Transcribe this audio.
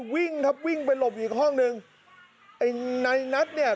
วิ่งครับวิ่งไปหลบอีกห้องหนึ่งไอ้ในนัทเนี่ย